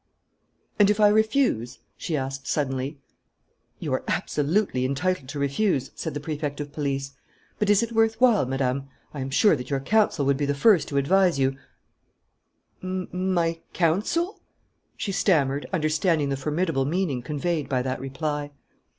"And, if I refuse?" she asked, suddenly. "You are absolutely entitled to refuse," said the Prefect of Police. "But is it worth while, Madame? I am sure that your counsel would be the first to advise you " "My counsel?" she stammered, understanding the formidable meaning conveyed by that reply.